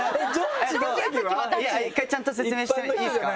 一回ちゃんと説明していいですか？